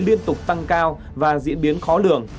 liên tục tăng cao và diễn biến khó lường